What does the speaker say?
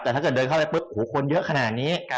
แต่ถ้าเกิดเดินเข้าไปปุ๊บคนเยอะขนาดนี้